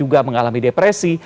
juga mengalami depresi